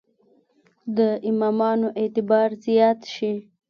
د امامانو اعتبار زیات شي.